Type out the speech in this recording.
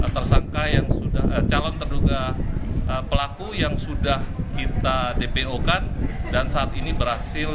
tersangka yang sudah calon terduga pelaku yang sudah kita dpo kan dan saat ini berhasil